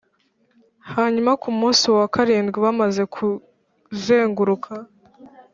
Hanyuma ku munsi wa karindwi bamaze kuzenguruka